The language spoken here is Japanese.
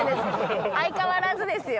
相変わらずですよ。